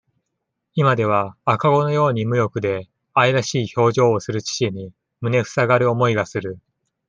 今では、赤子のように、無欲で、愛らしい表情をする父に、胸ふさがる思いがする。